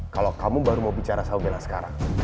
kalau kamu baru mau bicara sahu bella sekarang